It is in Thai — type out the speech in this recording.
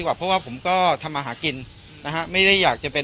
กว่าเพราะว่าผมก็ทำมาหากินนะฮะไม่ได้อยากจะเป็น